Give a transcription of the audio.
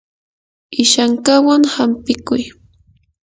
ishankawan hampikuy.